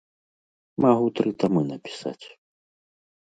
Магу тры тамы напісаць.